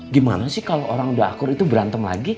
gimana sih kalau orang udah akur itu berantem lagi